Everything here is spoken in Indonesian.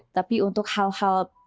tapi untuk hal hal